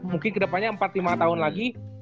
mungkin kedepannya empat lima tahun lagi